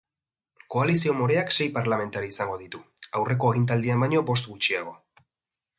Koalizio moreak sei parlamentari izango ditu, aurreko agintaldian baino bost gutxiago.